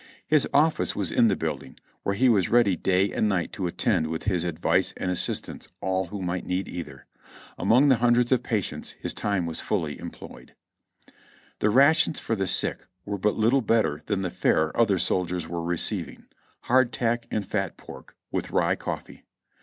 His office was in the building, where he was ready day and night to attend with his advice and assistance all who might need either. Among the hundreds of patients his time was fully em ployed. The rations for the sick were but little better than the fare other soldiers were receiving — hardtack and fat pork, with rye coffee.